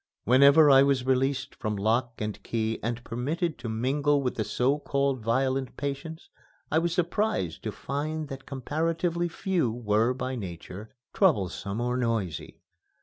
Whenever I was released from lock and key and permitted to mingle with the so called violent patients, I was surprised to find that comparatively few were by nature troublesome or noisy.